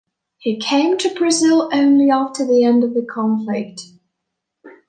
He came to Brazil only after the end of the conflict.